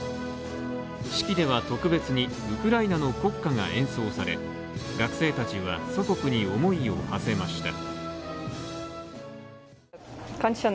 式では特別に、ウクライナの国歌が演奏され学生たちは祖国に思いをはせました。